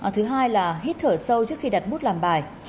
thứ hai là hít thở sâu trước khi đặt bút làm bài